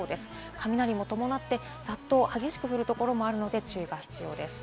雷も伴ってザッと激しく降るところもあるので注意が必要です。